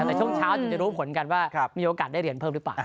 แต่ช่วงเช้าถึงจะรู้ผลกันว่ามีโอกาสได้เรียนเพิ่มหรือเปล่า